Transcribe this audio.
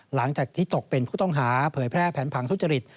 หลังจากที่ตกเป็นผู้ต้องหาเผยแพร่แผนผังทุจริต